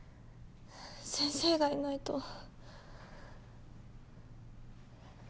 先生がいないと。